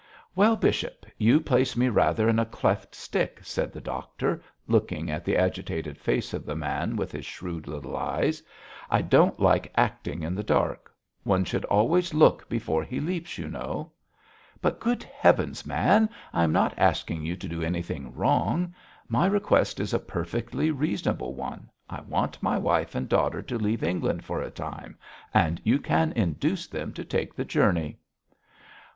'Well, bishop, you place me rather in a cleft stick,' said the doctor, looking at the agitated face of the man with his shrewd little eyes. 'I don't like acting in the dark. One should always look before he leaps, you know.' 'But, good heavens, man! I am not asking you to do anything wrong. My request is a perfectly reasonable one. I want my wife and daughter to leave England for a time, and you can induce them to take the journey.'